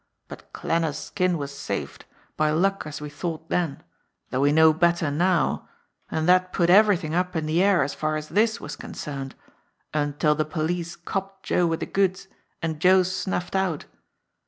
But Klanner's skin was saved, by luck as we thought then, though we know better now, and that put everything up in the air as far as this was concerned until the police copped Joe with the goods, and Joe snuffed out.